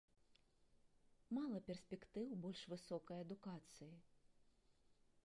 Мала перспектыў больш высокай адукацыі.